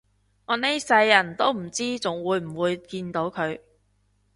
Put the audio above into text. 我呢世人都唔知仲會唔會見到佢